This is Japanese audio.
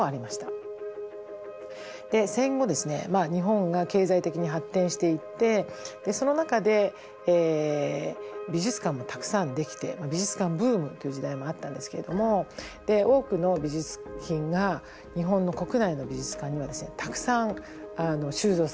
戦後ですね日本が経済的に発展していってその中で美術館もたくさんできて美術館ブームという時代もあったんですけれども多くの美術品が日本の国内の美術館にはたくさん収蔵されています。